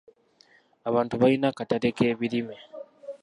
Abantu balina akatale k'ebirime.